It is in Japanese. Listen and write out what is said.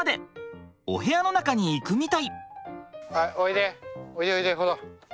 お部屋の中に行くみたい。